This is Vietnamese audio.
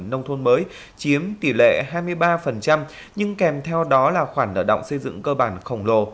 nông thôn mới chiếm tỷ lệ hai mươi ba nhưng kèm theo đó là khoản nợ động xây dựng cơ bản khổng lồ